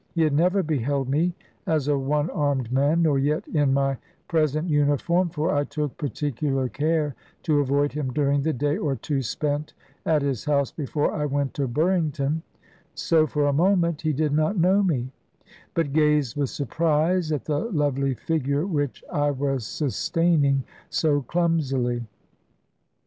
He had never beheld me as a one armed man, nor yet in my present uniform, for I took particular care to avoid him during the day or two spent at his house before I went to Burrington, so for a moment he did not know me, but gazed with surprise at the lovely figure which I was sustaining so clumsily.